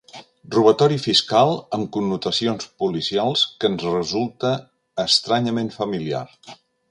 Robatori fiscal amb connotacions policials que ens resulta estranyament familiar.